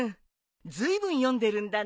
ずいぶん読んでるんだね。